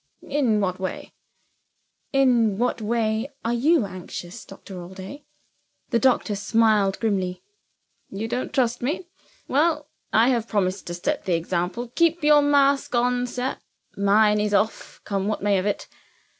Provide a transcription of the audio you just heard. "In what way?" "In what way are you anxious, Doctor Allday?" The doctor smiled grimly. "You don't trust me? Well, I have promised to set the example. Keep your mask on, sir mine is off, come what may of it.